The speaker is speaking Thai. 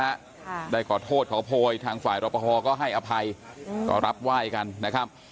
ค่ะได้ขอโทษขอโพยทางฝ่ายรอปภก็ให้อภัยอืมก็รับไหว้กันนะครับ